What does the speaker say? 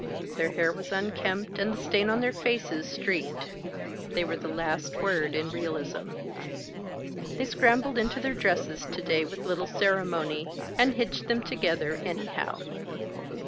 Their hair was unkempt and the stain on their faces streaked. They were the last word in realism. They scrambled into their dresses to day with little ceremony, and hitched them together anyhow.